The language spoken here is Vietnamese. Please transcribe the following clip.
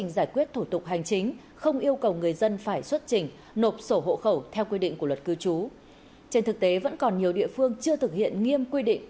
vẫn còn nhiều địa phương chưa thực hiện nghiêm quy định